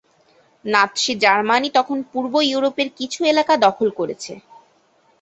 Nazi Germany তখন পূর্ব ইউরোপের কিছু এলাকা দখল করেছে।